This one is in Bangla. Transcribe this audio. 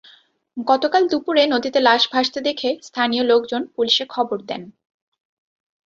গতকাল দুপুরে নদীতে লাশ ভাসতে দেখে স্থানীয় লোকজন পুলিশে খবর দেন।